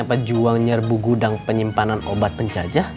apa juang nyerebu gudang penyimpanan obat penjajah